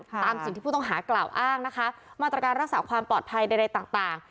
ตามสิ่งที่ผู้ต้องหากล่าวอ้างนะคะมาตรการรักษาความปลอดภัยใดต่าง